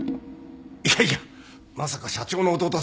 いやいやまさか社長の弟さんだとは。